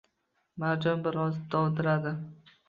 Marjon bir oz dovdiradi